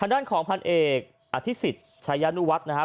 ด้านของพ่อนเอกอะทิสิทธชายยนต์นู่วัตต์